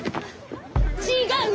違う！